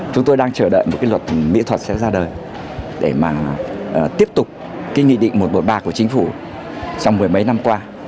chúng tôi đang chờ đợi một cái luật mỹ thuật sẽ ra đời để mà tiếp tục cái nghị định một trăm một mươi ba của chính phủ trong mười mấy năm qua